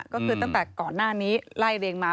ก็คือตั้งแต่ก่อนหน้านี้ไล่เรียงมา